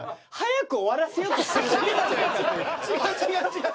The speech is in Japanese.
違う違う違う。